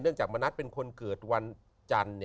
เนื่องจากมนัสเป็นคนเกิดวันจันทร์